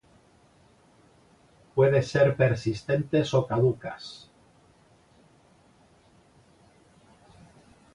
Puede ser persistentes o caducas.